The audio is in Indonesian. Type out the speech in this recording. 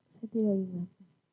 saya tidak ingat